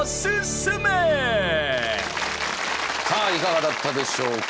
さあいかがだったでしょうか。